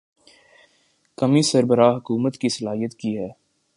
کمی سربراہ حکومت کی صلاحیت کی ہے۔